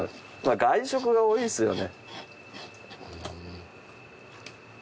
外食が多いですよね。